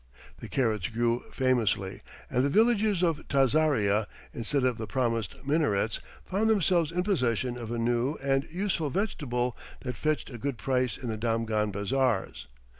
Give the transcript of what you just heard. The carrots grew famously, and the villagers of Tazaria, instead of the promised minarets, found themselves in possession of a new and useful vegetable that fetched a good price in the Damghan bazaars.